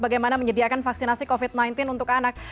bagaimana menyediakan vaksinasi covid sembilan belas untuk anak